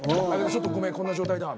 ちょっとごめんこんな状態だわ！